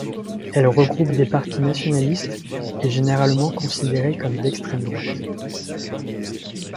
Elle regroupe des partis nationalistes et généralement considérés comme d'extrême droite.